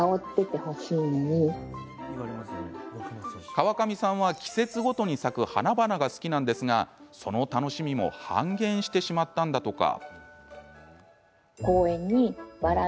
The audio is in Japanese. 川上さんは季節ごとに咲く花々が好きなんですが、その楽しみも半減してしまったんだとか。